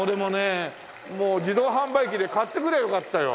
もう自動販売機で買ってくりゃよかったよ。